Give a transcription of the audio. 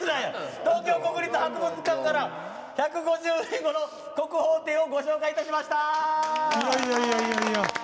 東京国立博物館から「１５０年後の国宝展」をご紹介いたしました。